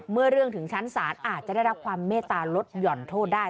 เมื่อเรื่องถึงชั้นศาลอาจจะได้รับความเมตตาลดหย่อนโทษได้